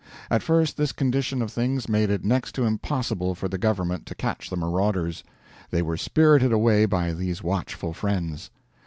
At first this condition of things made it next to impossible for the government to catch the marauders; they were spirited away by these watchful friends.